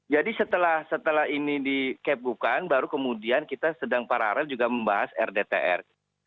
jadi setelah ini dikebukan baru kemudian kita sedang paralel juga membahas rdtr